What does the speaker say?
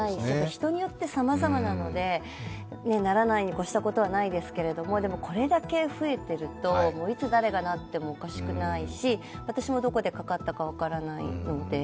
人によってさまざまなので、ならないに越したことはないですけども、でも、これだけ増えてると、いつ誰がなってもおかしくないし私もどこでかかったか分からないので。